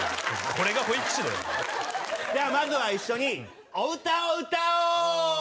これが保育士だよじゃあまずは一緒にお歌を歌おう！